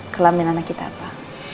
kelamin anak kita apa